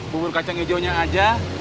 bubur kacang hijaunya aja